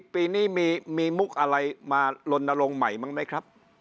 ปีนี้มีมุกอะไรมาลนลงใหม่บ้างไหมครับ